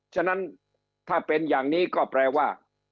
ฉะนั้นถ้าเป็นอย่างนี้ก็แปลว่า